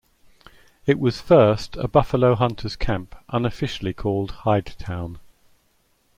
It was first a buffalo hunter's camp unofficially called Hidetown.